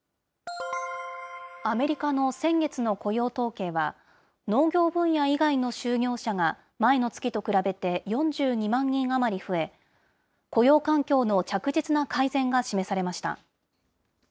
アメリカの先月の雇用統計は、農業分野以外での就業者が前の月と比べて４２万人余り増え、雇用環境の着実な改善が示されました。